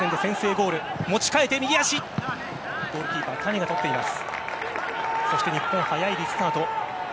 ゴールキーパー、谷がとっています。